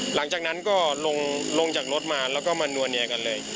หลังจากนั้นก็ลงจากรถมาแล้วก็มานัวเนียกันเลย